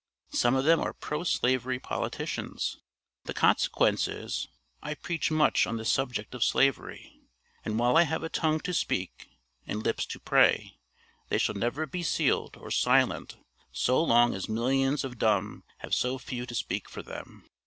Some of them are pro slavery politicians. The consequence is, I preach much on the subject of Slavery. And while I have a tongue to speak, and lips to pray, they shall never be sealed or silent so long as millions of dumb have so few to speak for them.